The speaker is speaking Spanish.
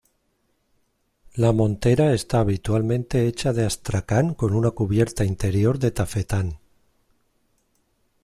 La montera está habitualmente hecha de astracán con una cubierta interior de tafetán.